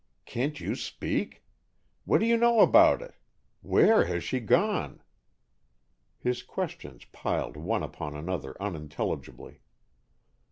Can't you speak? What do you know about it? Where has she gone?" His questions piled one upon another unintelligibly.